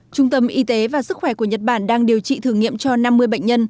trung tâm y tế và sức khỏe của nhật bản đang điều trị thử nghiệm cho năm mươi bệnh nhân